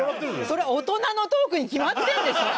それは大人のトークに決まってんでしょ。